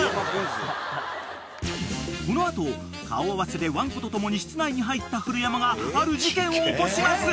［この後顔合わせでワンコと共に室内に入った古山がある事件を起こします］